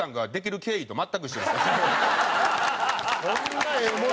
そんなええもんですか？